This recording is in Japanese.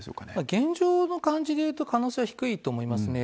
現状の感じでいうと、可能性は低いと思いますね。